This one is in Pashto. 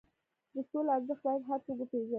د سولې ارزښت باید هر څوک وپېژني.